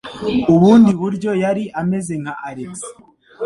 Ubundi buryo yari ameze nka Alex.